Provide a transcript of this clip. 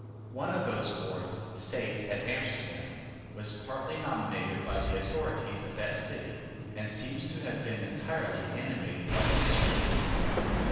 One of those boards sate at Amsterdam, was partly nominated by the authorities of that city, and seems to have been entirely animated by their spirit.